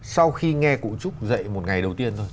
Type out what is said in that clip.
sau khi nghe cụ chúc dạy một ngày đầu tiên rồi